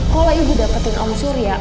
kalau ibu dapetin om surya